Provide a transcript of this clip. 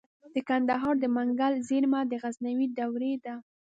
د کندهار د منگل زیرمه د غزنوي دورې ده